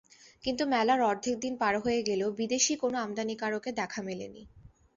কিন্তু মেলার অর্ধেক দিন পার হয়ে গেলেও বিদেশি কোনো আমদানিকারকের দেখা মেলেনি।